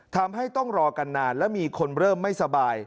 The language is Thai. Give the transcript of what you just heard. ทำให้ต้องรอกันนานและมีคนเริ่มไม่สบาย